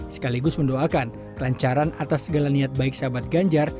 sekaligus mendoakan kelancaran atas segala niat baik sahabat ganjar